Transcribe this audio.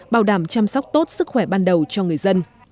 bảo đảm chăm sóc tốt sức khỏe ban đầu cho người dân